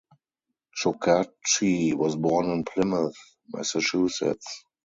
Chokachi was born in Plymouth, Massachusetts.